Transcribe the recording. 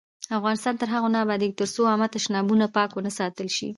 افغانستان تر هغو نه ابادیږي، ترڅو عامه تشنابونه پاک ونه ساتل شي.